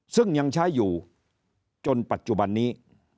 ซึ่งยังใช้อยู่จนปัจจุบันนี้